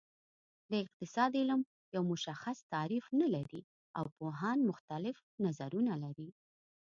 د اقتصاد علم یو مشخص تعریف نلري او پوهان مختلف نظرونه لري